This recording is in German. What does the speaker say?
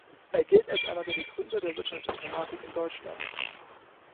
Er gilt als einer der Begründer der Wirtschaftsinformatik in Deutschland.